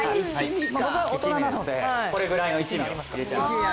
僕は大人なのでこれぐらいの一味を入れちゃいます